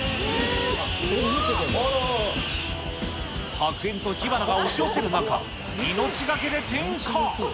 白煙と火花が押し寄せる中、命懸けで点火。